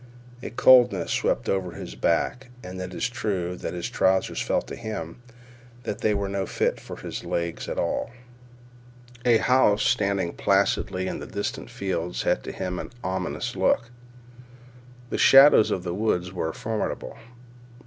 A coldness swept over his back, and it is true that his trousers felt to him that they were no fit for his legs at all. A house standing placidly in distant fields had to him an ominous look. The shadows of the woods were formidable.